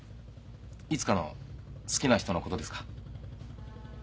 いつかの好きな人のことですか？